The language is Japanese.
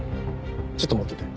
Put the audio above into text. ちょっと持ってて。